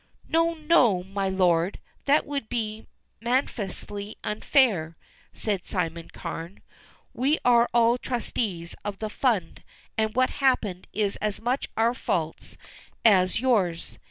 "No, no, my lord; that would be manifestly unfair," said Simon Carne. "We are all trustees of the fund and what happened is as much our faults as yours.